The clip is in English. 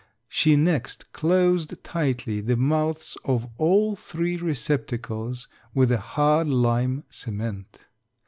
She next closed tightly the mouths of all three receptacles with a hard lime cement.